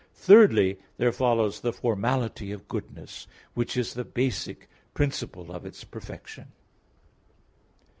iv); thirdly, there follows the formality of goodness which is the basic principle of its perfection.